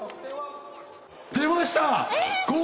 出ました！